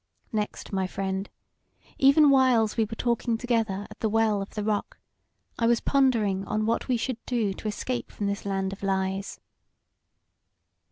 Next, my friend, even whiles we were talking together at the Well of the Rock, I was pondering on what we should do to escape from this land of lies.